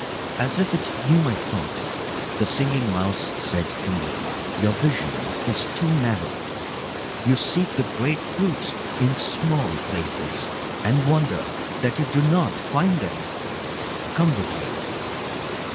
As if it knew my thought, the Singing Mouse said to me: "Your vision is too narrow. You seek the great truths in small places, and wonder that you do not find them. Come with me."